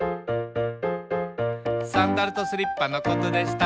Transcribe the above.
「サンダルとスリッパのことでした」